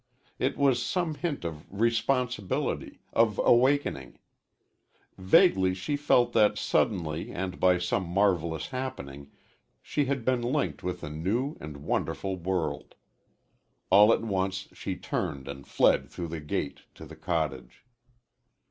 It was some hint of responsibility, of awakening. Vaguely she felt that suddenly and by some marvelous happening she had been linked with a new and wonderful world. All at once she turned and fled through the gate, to the cottage.